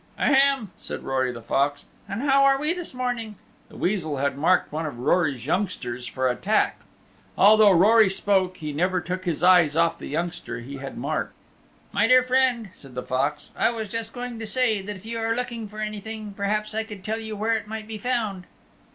"Ahem," said Rory the Fox, "and how are we this morning?" The Weasel had marked one of Rory's youngsters for attack. Although Rory spoke, he never took his eyes off the youngster he had marked. "My dear friend," said the Fox, "I was just going to say if you are looking for anything, perhaps I could tell you where it might be found."